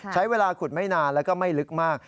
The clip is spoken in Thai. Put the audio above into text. ใช้เวลาขุดไม่นานแล้วก็ไม่ลึกมาก